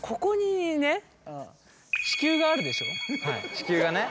地球がね。